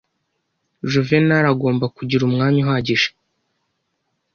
Juvenali agomba kugira umwanya uhagije.